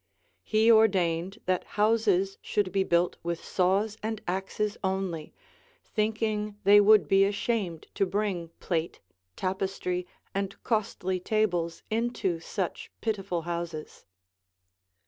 He ordained that houses should be built with saws and axes only, thinking they would be ashamed to bring plate, tapestry, and costly tables into such pitiful houses.